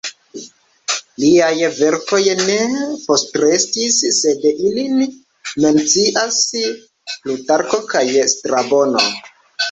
Liaj verkoj ne postrestis, sed ilin mencias Plutarko kaj Strabono.